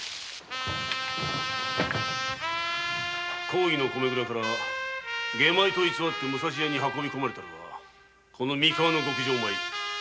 公儀の米蔵から下米と偽って武蔵屋に運び込まれたのはこの三河の極上米。